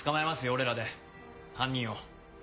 俺らで犯人を。